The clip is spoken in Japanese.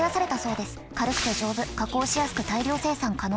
軽くて丈夫加工しやすく大量生産可能。